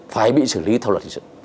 phải bị xử lý theo luật hình sự